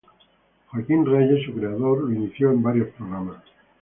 Joaquín Reyes, su creador, lo imitó en varios programas.